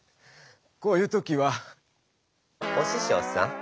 こういう時はおししょうさん